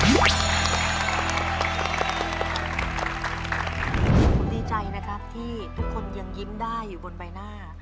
ผมดีใจนะครับที่ทุกคนยังยิ้มได้อยู่บนใบหน้า